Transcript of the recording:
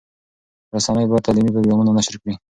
رسنۍ باید تعلیمي پروګرامونه نشر کړي.